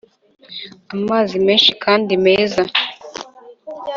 amazi menshi kandi meza